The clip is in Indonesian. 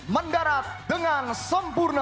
mendarat dengan sempurna